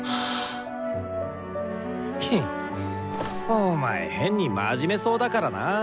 ヘッお前変に真面目そうだからな。